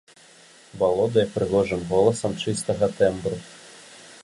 Валодае прыгожым голасам чыстага тэмбру.